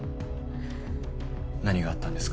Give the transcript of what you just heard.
何があったんですか？